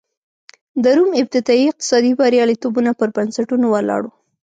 د روم ابتدايي اقتصادي بریالیتوبونه پر بنسټونو ولاړ و